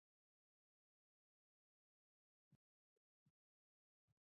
ساتنه او مراقبت ولې اړین دی؟